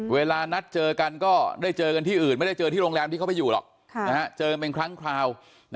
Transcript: เวลานัดเจอกันก็ได้เจอกันที่อื่นไม่ได้เจอที่โรงแรมที่เขาไปอยู่หรอกเจอเป็นครั้งคราว